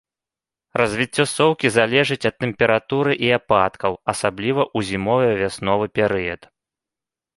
Развіццё соўкі залежыць ад тэмпературы і ападкаў, асабліва ў зімова-вясновы перыяд.